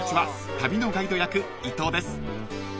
旅のガイド役伊藤です］